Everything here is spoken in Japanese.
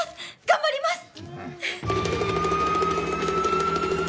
頑張ります！